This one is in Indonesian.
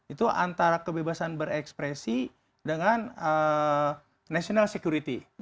itu antara kebebasan berekspresi dengan national security